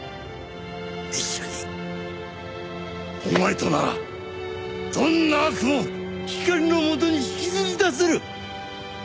お前とならどんな悪も光のもとに引きずり出せる！